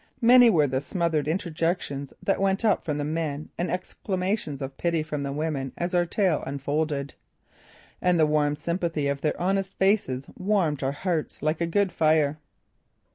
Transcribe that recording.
Many were the smothered interjections that went up from the men and exclamations of pity from the women as our tale unfolded. And the warm sympathy of their honest faces warmed our hearts like a good fire.